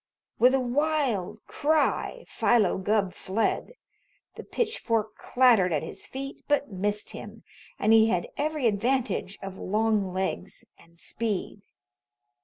With a wild cry, Philo Gubb fled. The pitchfork clattered at his feet, but missed him, and he had every advantage of long legs and speed.